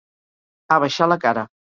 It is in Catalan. Abaixar la cara.